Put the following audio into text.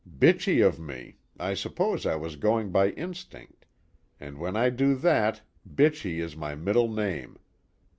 Bitchy of me, I suppose I was going by instinct, and when I do that, bitchy is my middle name.